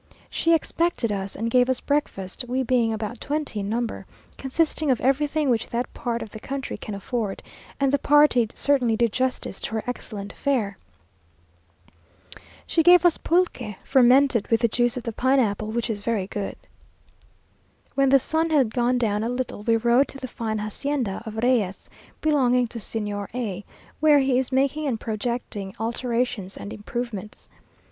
She expected us, and gave us breakfast (we being about twenty in number), consisting of everything which that part of the country can afford; and the party certainly did justice to her excellent fare. She gave us pulque, fermented with the juice of the pineapple, which is very good. When the sun had gone down a little, we rode to the fine hacienda of Reyes, belonging to Señor A , where he is making and projecting alterations and improvements.